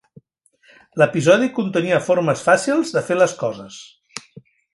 L'episodi contenia formes fàcils de fer les coses.